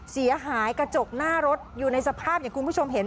เสียหายกระจกหน้ารถอยู่ในสภาพอย่างคุณผู้ชมเห็น